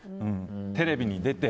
テレビに出て